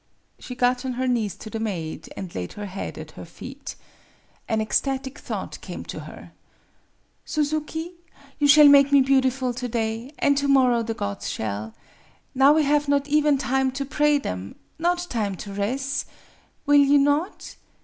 " She got on her knees to the maid, and laid her head at her feet. An ecstatic thought came to her. " Suzuki, you shall make me beautiful to day, an' to mor row the gods shall. Now we have not even time to pray them not time to res'. Will you not?